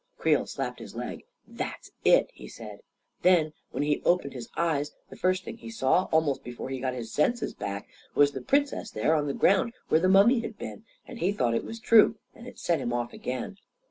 Creel slapped his leg. " That's it I " he said. " Then, when he opened his eyes, the first thing he saw, almost before he got his senses back, was the Princess there on the ground where the mummy had been, and he thought it was true, and it set him off again